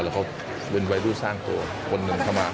แล้วเขาเงินไว้รู้สร้างตัวคนหนึ่งเขามากิน